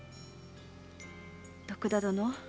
徳田殿